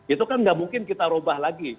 itu kan nggak mungkin kita ubah lagi